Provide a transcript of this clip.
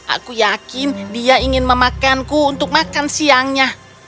aku yakin dia ingin memakanku untuk makan siangnya